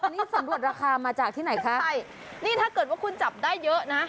อันนี้สำรวจราคามาจากที่ไหนคะใช่นี่ถ้าเกิดว่าคุณจับได้เยอะนะ